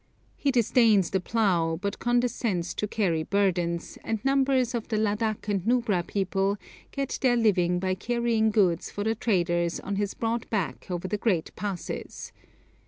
He disdains the plough, but condescends to carry burdens, and numbers of the Ladak and Nubra people get their living by carrying goods for the traders on his broad back over the great passes.